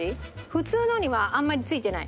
普通のにはあんまり付いてない。